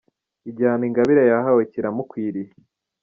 Igihano Ingabire yahawe kiramukwiriye